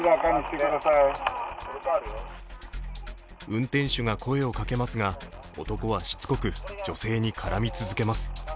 運転手が声をかけますが男はしつこく女性に絡み続けます。